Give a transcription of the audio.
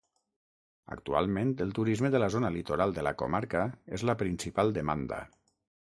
Actualment el turisme de la zona litoral de la comarca és la principal demanda.